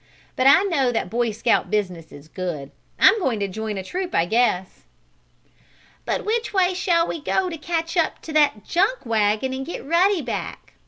"But I know that Boy Scout business is good. I'm going to join a troop, I guess." "But which way shall we go to catch up to that junk wagon and get Ruddy back?"